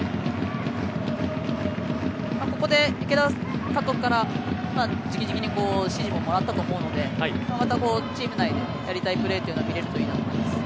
ここで池田監督から直々に指示ももらったと思うのでまたチーム内でやりたいプレーが見れるといいなと思います。